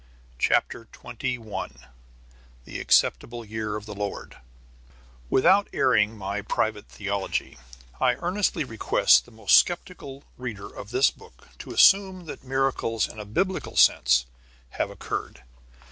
CHAPTER XXI THE ACCEPTABLE YEAR OF THE LORD Without airing my private theology I earnestly request the most sceptical reader of this book to assume that miracles in a Biblical sense have occurred.